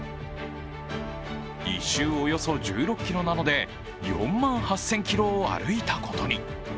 １周およそ１６ｋｍなので、４万８０００ｋｍを歩いたことに。